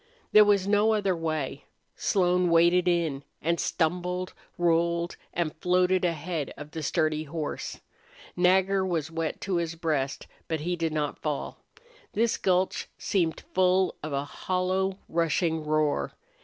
There was no other way. Slone waded in, and stumbled, rolled, and floated ahead of the sturdy horse. Nagger was wet to his breast, but he did not fall. This gulch seemed full of a hollow rushing roar.